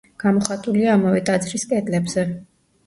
გამოხატულია ამავე ტაძრის კედლებზე.